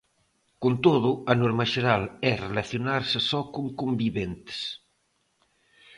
Con todo, a norma xeral é relacionarse só con conviventes.